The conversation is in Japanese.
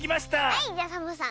はいじゃサボさん。